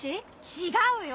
違うよ！